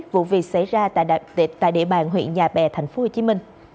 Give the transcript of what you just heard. vụ việc xảy ra tại địa bàn huyện nhà bè tp hcm